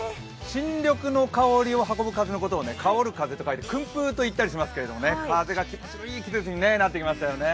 新緑の香りを運ぶ風のことを薫風と言ったりしますけれども風が気持ちいい季節になってきましたね。